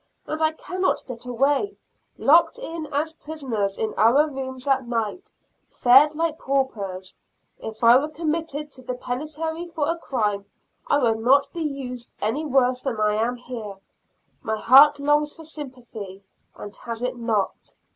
and I cannot get away, locked in as prisoners in our rooms at night, fed like paupers. If I were committed to the penitentiary for a crime, I would not be used any worse than I am here. My heart longs for sympathy, and has it not.